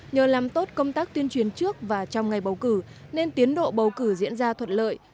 nhờ làm tốt công tác tuyên truyền trước và trong ngày bầu cử nên tiến độ bầu cử diễn ra thuận lợi